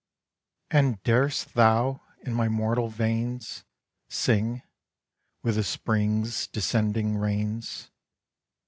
'And dare'st thou, in my mortal veins Sing, with the Spring's descending rains?